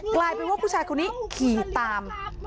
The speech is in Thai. กลายเป็นว่าผู้ชายคนนี้ขี่ตาม